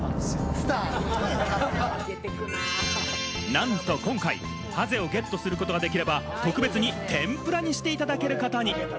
なんと今回、ハゼをゲットすることができれば、特別に天ぷらにしていただけることに！